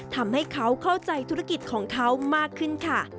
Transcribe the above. ทำให้เขาเข้าใจธุรกิจของเขามากขึ้นค่ะ